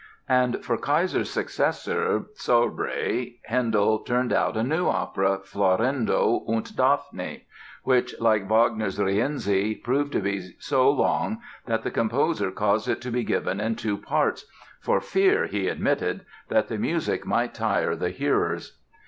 And for Keiser's successor, Saurbrey, Handel turned out a new opera, "Florindo und Daphne", which, like Wagner's "Rienzi", proved to be so long that the composer caused it to be given in two parts, "for fear", he admitted, "that the music might tire the hearers."